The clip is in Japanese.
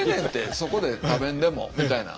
そこで食べんでもみたいな。